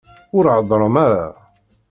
Ur heddṛem ara!